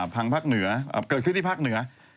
ภาคเหนือเกิดขึ้นที่ภาคเหนือ